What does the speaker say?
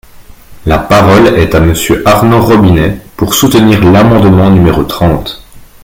La parole est à Monsieur Arnaud Robinet, pour soutenir l’amendement numéro trente.